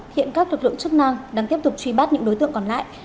hiện các lực lượng chức năng đang tiếp tục truy bắt những đối tượng còn lại